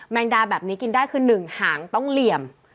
งดาแบบนี้กินได้คือ๑หางต้องเหลี่ยม